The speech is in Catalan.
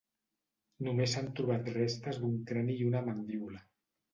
Només s'han trobat restes d'un crani i una mandíbula.